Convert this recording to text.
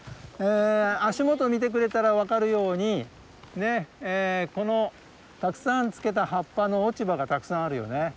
足元見てくれたら分かるようにこのたくさんつけた葉っぱの落ち葉がたくさんあるよね。